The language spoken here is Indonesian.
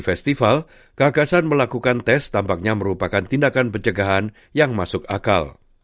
festival gagasan melakukan tes tampaknya merupakan tindakan pencegahan yang masuk akal